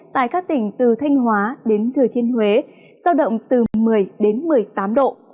tại các tỉnh từ thanh hóa đến thừa thiên huế giao động từ một mươi đến một mươi tám độ